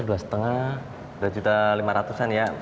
dua setengah dua juta lima ratusan ya